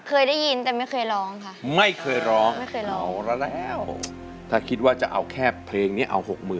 เคยได้ยินแต่ไม่เคยร้องค่ะไม่เคยร้องไม่เคยร้องแล้วถ้าคิดว่าจะเอาแค่เพลงนี้เอา๖๐๐๐